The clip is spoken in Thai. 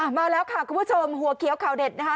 มาแล้วค่ะคุณผู้ชมหัวเขียวข่าวเด็ดนะคะ